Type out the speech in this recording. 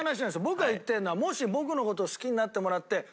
僕が言ってるのはもし僕の事を好きになってもらって。